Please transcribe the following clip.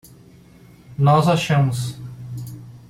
Nós achamos